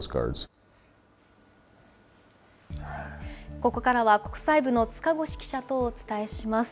ここからは国際部の塚越記者とお伝えします。